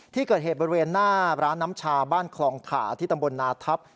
ที่เกิดเหตุบริเวณหน้าร้านน้ำชาบ้านคลองขาที่ตำบลนาทัพ